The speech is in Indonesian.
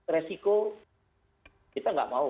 resiko kita tidak mau